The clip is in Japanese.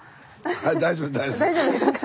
大丈夫ですか。